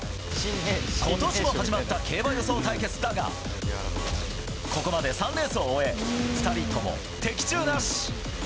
ことしも始まった競馬予想対決だが、ここまで３レースを終え、２人とも的中なし。